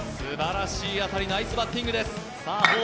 すばらしい当たり、ナイスバッティングです。